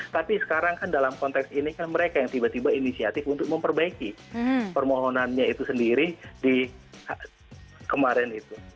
tapi sekarang kan dalam konteks ini kan mereka yang tiba tiba inisiatif untuk memperbaiki permohonannya itu sendiri di kemarin itu